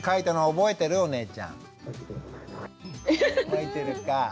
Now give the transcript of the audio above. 覚えてるか。